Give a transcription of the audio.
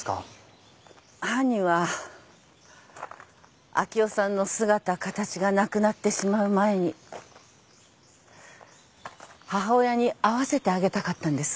犯人は明生さんの姿形がなくなってしまう前に母親に会わせてあげたかったんです。